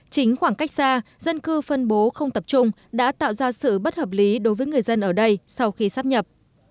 chính khoảng cách xa dân cư phân bố không tập trung đã tạo ra sự bất hợp lý đối với người dân ở đây sau khi sắp nhập